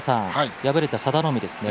敗れた佐田の海です。